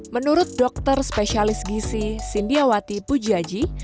menurut dokter spesialis gisi sindiawati pujiaji